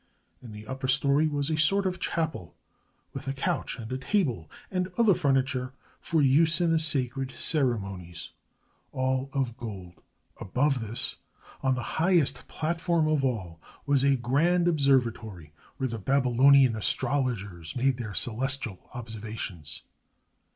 In the upper story was a sort of chapel, with a couch, and a table, and other furniture 51S MESOPOTAMIA for use in the sacred ceremonies, all of gold. Above this, on the highest platform of all, was a grand observatory, where the Babylonian astrologers made their celestial observations.